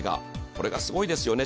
これがすごいですよね。